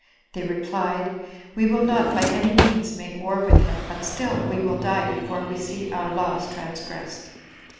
They replied, "We will not by any means make war with him, but still we will die before we see our laws transgressed."